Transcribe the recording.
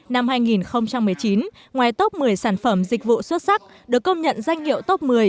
năm hai nghìn một mươi chín ngoài top một mươi sản phẩm dịch vụ xuất sắc được công nhận danh hiệu top một mươi